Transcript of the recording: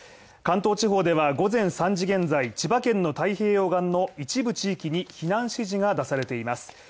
関東地方では午前３時現在千葉県の太平洋岸の一部地域に避難指示が出されています。